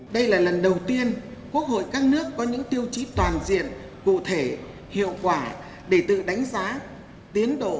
đây là lần đầu tiên quốc hội các nước có những tiêu chí toàn diện cụ thể hiệu quả để tự đánh giá tiến độ